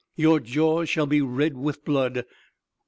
Your jaws shall be red with blood!...